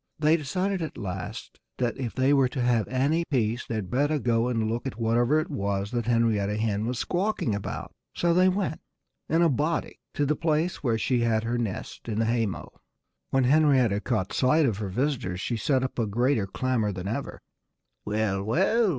They decided at last that if they were to have any peace they'd better go and look at whatever it was that Henrietta Hen was squawking about. So they went in a body to the place where she had her nest, in the haymow. When Henrietta caught sight of her visitors she set up a greater clamor than ever. "Well, well!"